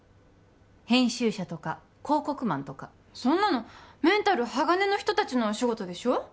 編集者とか広告マンとかそんなのメンタル鋼の人達のお仕事でしょ？